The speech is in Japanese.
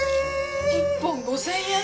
１本５０００円？